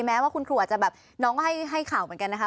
แม้ว่าคุณครูอาจจะแบบน้องก็ให้ข่าวเหมือนกันนะคะ